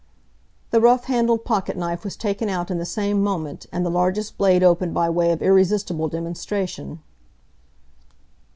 The rough handled pocket knife was taken out in the same moment, and the largest blade opened by way of irresistible demonstration.